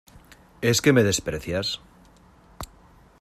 ¿ es que me desprecias?